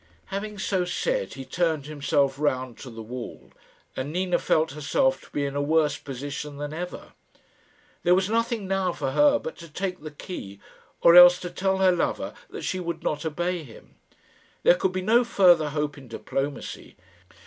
Having so said he turned himself round to the wall, and Nina felt herself to be in a worse position than ever. There was nothing now for her but to take the key, or else to tell her lover that she would not obey him. There could be no further hope in diplomacy.